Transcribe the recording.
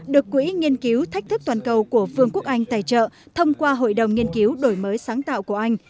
được quỹ nghiên cứu thách thức toàn cầu của vương quốc anh tài trợ thông qua hội đồng nghiên cứu đổi mới sáng tạo của anh